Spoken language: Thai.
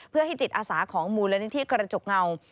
เพื่อให้จิตอาสาของมูลนิธิกระจกเงา